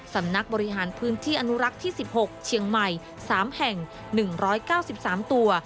สำนักบริหารพื้นที่อนุรักษ์ที่๑๖เชียงใหม่๓แห่ง๑๙๓ตัว